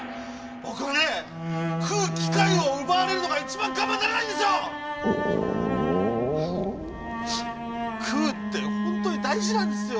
僕はね「食う機会」を奪われるのが一番我慢ならないんですよ！食うって本当に大事なんですよ！